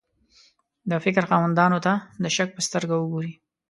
د فکر خاوندانو ته د شک په سترګه وګوري.